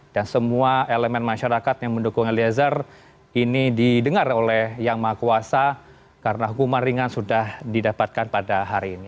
dan semua elemen masyarakat yang mendukung el dezar ini didengar oleh yang mahkuasa karena hukuman ringan sudah didapatkan pada hari ini